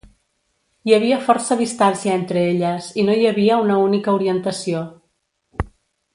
Hi havia força distància entre elles i no hi havia una única orientació.